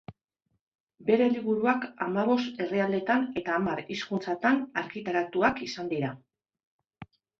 Bere liburuak hamabost herrialdetan eta hamar hizkuntzatan argitaratuak izan dira.